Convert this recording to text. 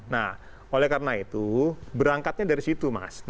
nah oleh karena itu berangkatnya dari situ mas